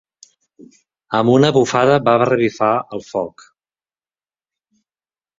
Amb una bufada va revifar el foc.